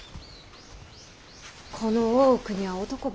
この大奥には男ばかり。